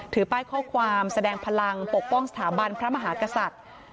ถือป้ายข้อความแสดงพลังปกป้องสถาบันพระมหากษัตริย์